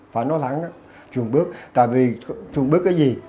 phải nói lắng đó chuồn bước tại vì chuồn bước cái gì